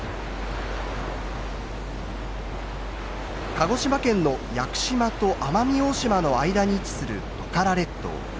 鹿児島県の屋久島と奄美大島の間に位置するトカラ列島。